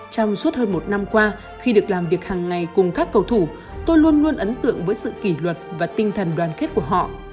trong suốt hơn một năm qua khi được làm việc hàng ngày cùng các cầu thủ tôi luôn luôn ấn tượng với sự kỷ luật và tinh thần đoàn kết của họ